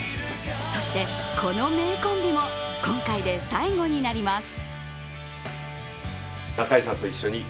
そして、この名コンビも今回で最後になります。